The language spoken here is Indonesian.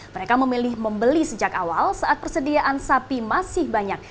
mereka memilih membeli sejak awal saat persediaan sapi masih banyak